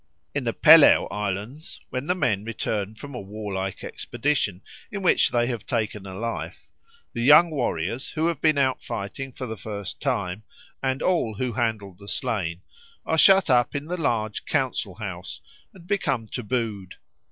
In the Pelew Islands, when the men return from a warlike expedition in which they have taken a life, the young warriors who have been out fighting for the first time, and all who handled the slain, are shut up in the large council house and become tabooed.